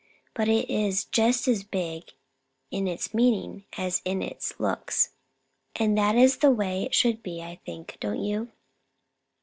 But it is just as big in its meaning as it is in its looks, and that is the way words should be, I think, don't you?